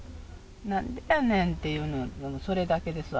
なんでやねんっていうの、それだけですわ。